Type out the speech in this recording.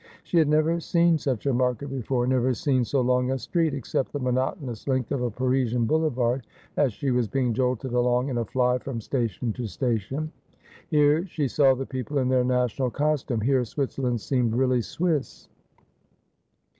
She had never seen such a market before, never seen so long a street, except the monotonous length of a Parisian boulevard as she was being jolted along in a fly from station to station. Here she saw the people in their national costume. Here Switzerland seemed really Swiss.